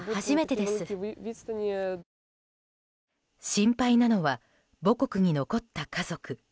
心配なのは母国に残った家族。